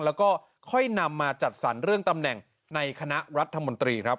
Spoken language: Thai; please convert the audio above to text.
แล้วก็ค่อยนำมาจัดสรรเรื่องตำแหน่งในคณะรัฐมนตรีครับ